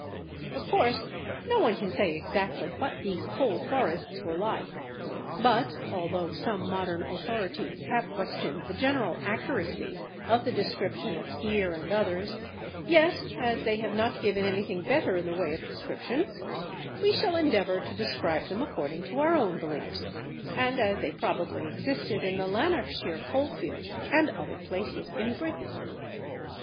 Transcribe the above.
Of course no one can say exactly what these coal forests were like. But although some modern authorities have questioned the general accuracy of the descriptions of Heer and others, yet, as they have not given anything better in the way of description, we shall endeavour to describe them according to our own beliefs, and as they probably existed in the Lanarkshire coalfield and other places in Britain.